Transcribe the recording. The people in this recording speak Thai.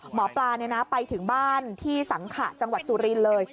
หมอปลาไปถึงบ้านที่สังขะจังหวัดสุรินทร์เลย